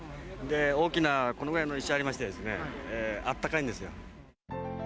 大きな、このぐらいの石ありましてですね、あったかいんですよ。